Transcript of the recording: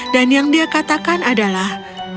dan yang dia katakan adalah